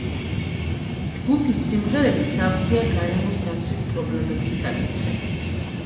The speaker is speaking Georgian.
ჯგუფის სიმღერები სავსეა გარემოს დაცვის პრობლემების საკითხებით.